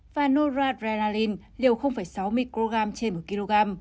và noradrenaline liều sáu microgram trên một kg